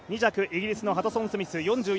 イギリスのハドソン・スミス。